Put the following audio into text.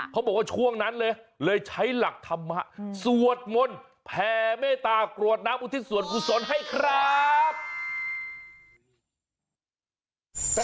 เขาบอกว่าช่วงนั้นเลยเลยใช้หลักธรรมะสวดมนต์แผ่เมตตากรวดน้ำอุทิศส่วนกุศลให้ครับ